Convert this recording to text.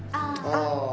ああ。